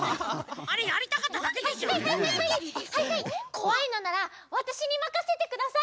こわいのならわたしにまかせてください！